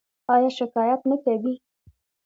ایا شکایت نه کوئ؟